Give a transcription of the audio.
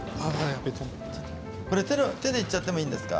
手でいっちゃってもいいんですか。